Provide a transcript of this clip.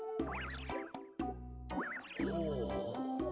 ほう。